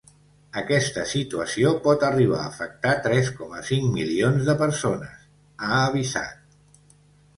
Aquesta situació pot arribar afectar tres coma cinc milions de persones, ha avisat.